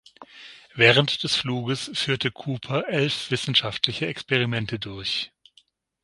Während des Fluges führte Cooper elf wissenschaftliche Experimente durch.